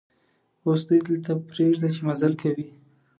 اوس دوی دلته پرېږده چې مزل کوي.